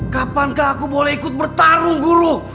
kapan kah aku boleh ikut bertarung guru